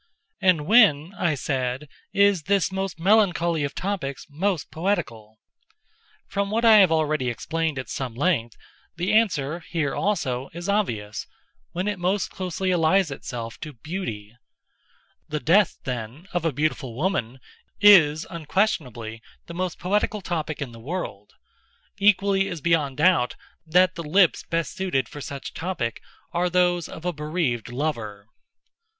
"And when," I said, "is this most melancholy of topics most poetical?" From what I have already explained at some length, the answer, here also, is obvious—"When it most closely allies itself to Beauty: the death, then, of a beautiful woman is, unquestionably, the most poetical topic in the world—equally is beyond doubt that the lips best suited for such topic are those of a bereaved lover."